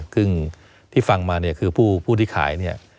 ซึ่งที่ฟังมาคือผู้ที่ขาย